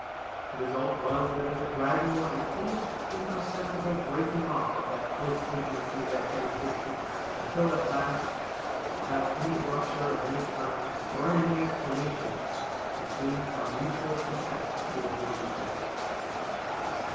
The result was there was a gradual and almost imperceptible breaking off of that close intimacy that had existed, until at last, without any rupture of any kind, or any explanation, we seemed by mutual consent to avoid each other.